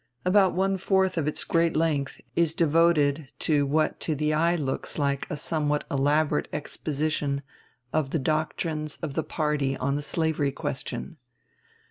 About one fourth of its great length is devoted to what to the eye looks like a somewhat elaborate exposition of the doctrines of the party on the slavery question.